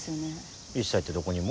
一切ってどこにも？